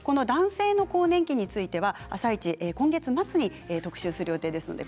男性の更年期については「あさイチ」は今月末に特集する予定です。